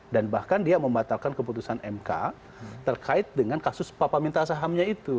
dan bahkan dia membatalkan keputusan mk terkait dengan kasus papa minta sahamnya itu